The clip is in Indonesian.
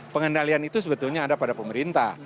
pengendalian itu sebetulnya ada pada pemerintah